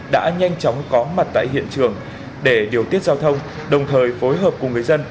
đã nhanh chóng có mặt tại hiện trường để điều tiết giao thông đồng thời phối hợp cùng người dân